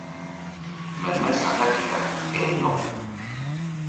Mɛ mɛ́ saɗá-geɗa, ɛɛ nyɔŋ.